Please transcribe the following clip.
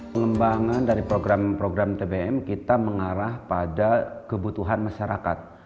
pengembangan dari program program tbm kita mengarah pada kebutuhan masyarakat